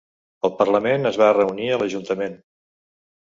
El Parlament es va reunir a l'ajuntament.